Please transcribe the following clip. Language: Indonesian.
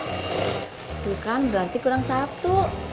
itu kan berarti kurang satu